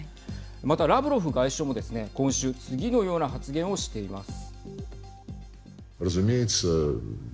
またラブロフ外相もですね、今週次のような発言をしています。